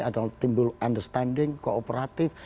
ada timbul understanding kooperatif